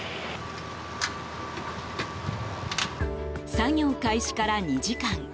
作業開始から２時間。